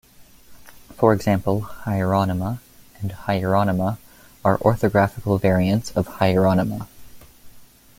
For example, "Hieronima" and "Hyeronima" are orthographical variants of "Hieronyma".